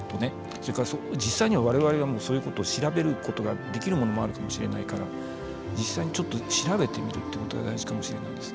それから実際には我々がそういうことを調べることができるものもあるかもしれないから実際にちょっと調べてみるってことが大事かもしれないです。